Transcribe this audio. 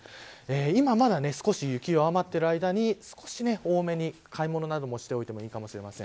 今まだ少し雪、弱まってる間に少し、多めに買い物などもしておいてもいいかもしれません。